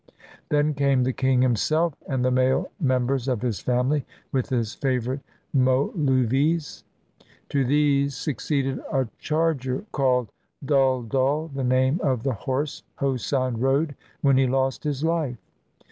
Then came the king himself and the male mem bers of his family with his favorite moluvies. To these succeeded a charger called Dhull dhull, the name of the horse Hosein rode when he lost his life.